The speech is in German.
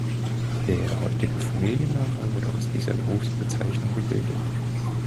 Der heutige Familienname wurde aus dieser Berufsbezeichnung gebildet.